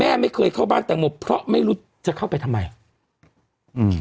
แม่ไม่เคยเข้าบ้านแตงโมเพราะไม่รู้จะเข้าไปทำไมอืม